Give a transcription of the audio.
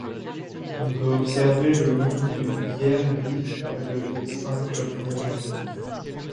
On peut observer le long du Guiers Vif le cincle plongeur.